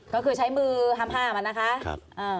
ก็คือใช้มือห้ามห้ามันนะคะ